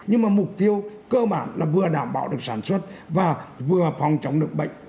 nhưng mà mục tiêu cơ bản là vừa đảm bảo được sản xuất và vừa phòng chống được bệnh